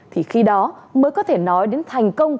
thì khi đó mới có thể nói đến thành công